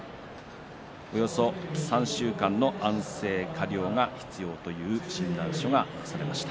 およそ３週間の安静、加療が必要だという診断書が出されました。